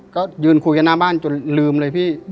ก็ยืนคุยกันหน้าบ้านจนลืมเลยพี่